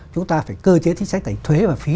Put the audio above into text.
chúng ta phải cơ chế chính sách thành thuế và phí